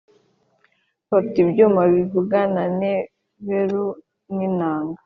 bafite ibyuma bivuga na neberu n’inanga,